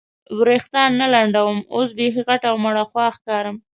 وریښتان نه لنډوم، اوس بیخي غټه او مړوښه ښکارم.